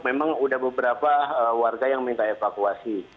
memang sudah beberapa warga yang minta evakuasi